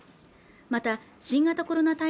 また新型コロナ